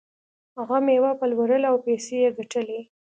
هغه میوه پلورله او پیسې یې ګټلې.